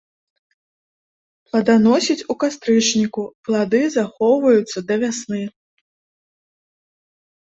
Плоданасіць у кастрычніку, плады захоўваюцца да вясны.